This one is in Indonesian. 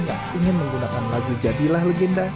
yang ingin menggunakan lagu jadilah legenda